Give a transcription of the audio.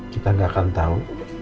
kita gak akan tahu